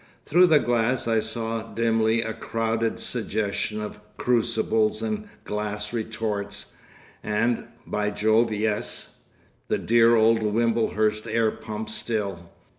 Through the glass I saw dimly a crowded suggestion of crucibles and glass retorts, and—by Jove!—yes!—the dear old Wimblehurst air pump still!